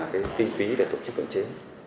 kinh phí để tổ chức cưỡng chế